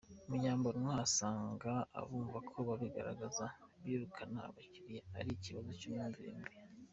Munyambonwa asanga abumva ko kubigaragaza byirukana abakiriya ari ikibazo cy’imyumvire mibi.